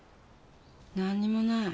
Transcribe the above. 何にもない。